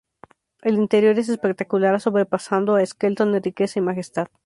El interior es espectacular, sobrepasando a Skelton en riqueza y majestad.